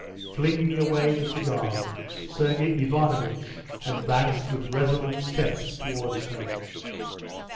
Flinging away the cigar, Sergey Ivanovitch advanced with resolute steps towards her.